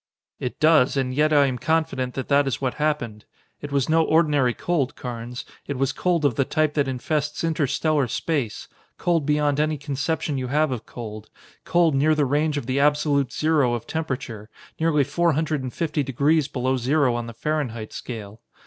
"It does, and yet I am confident that that is what happened. It was no ordinary cold, Carnes; it was cold of the type that infests interstellar space; cold beyond any conception you have of cold, cold near the range of the absolute zero of temperature, nearly four hundred and fifty degrees below zero on the Fahrenheit scale.